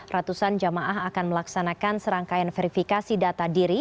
ratusan jamaah akan melaksanakan serangkaian verifikasi data diri